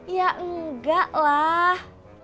ya enggak lah